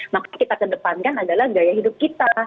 maka kita kedepankan adalah gaya hidup kita